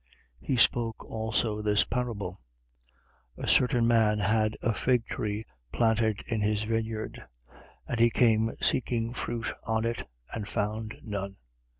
13:6. He spoke also this parable: A certain man had a fig tree planted in his vineyard: and he came seeking fruit on it and found none.